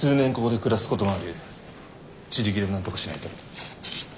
自力でなんとかしないと。